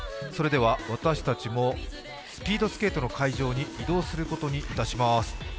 それでは私たちもスピードスケートの会場に移動することにいたします。